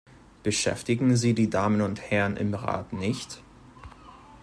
Beschäftigen sie die Damen und Herren im Rat nicht?